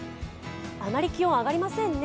あまり気温上がりませんね。